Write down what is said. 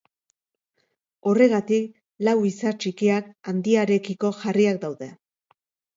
Horregatik lau izar txikiak handiarekiko jarriak daude.